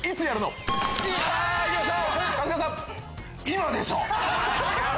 今でしょ！